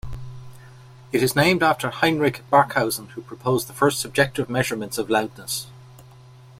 It is named after Heinrich Barkhausen who proposed the first subjective measurements of loudness.